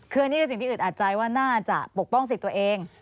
คืออันนี้คือสิ่งที่อึดอัดใจว่าน่าจะปกป้องสิทธิ์ตัวเอง